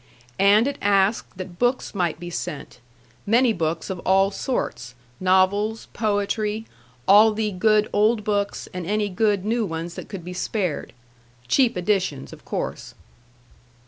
And it asked that books might be sent, many books of all sorts, novels, poetry, all the good old books and any good new ones that could be spared. Cheap editions, of course.